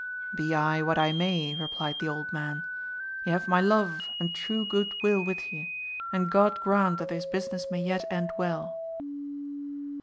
Be I what I may, replied the old man, ye have my love and true good will with ye, and Grod grant that this business may yet end well.